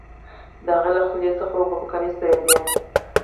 د هغه له خولې څخه اوبه په کمیس تویدې